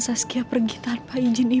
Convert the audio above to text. saya masih berjaga jaga